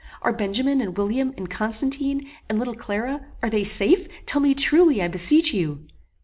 Are Benjamin, and William, and Constantine, and Little Clara, are they safe? Tell me truly, I beseech you!"